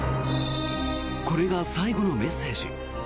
これが最後のメッセージ。